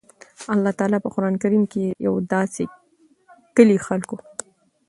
الله تعالی په قران کريم کي د يو داسي کلي خلکو